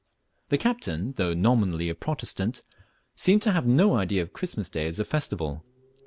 The captain, though nominally a Protestant, seemed to have no idea of Christmas day as a festival.